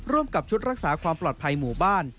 ร่วมกับชุดรักษาความปลอดภัยหมู่บ้าน